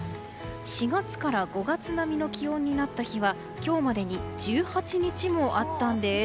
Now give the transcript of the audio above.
４月から５月並みの気温になった日は今日までに１８日もあったんです。